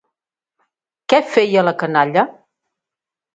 Què feia la canalla?